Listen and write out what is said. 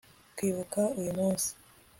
kwibuka uyu munsi